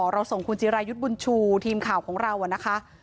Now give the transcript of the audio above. เราส่งคุณจิรายุทธ์บุญชูทีมข่าวของเรานะคะ